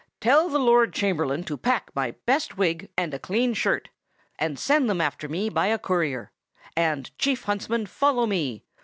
Tell the Lord Chamberlain to pack my best wig and a clean shirt, and send them after me by a courier; and, Chief Huntsman, follow me.